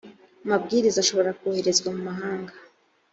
mabwiriza ashobora koherezwa mu mahanga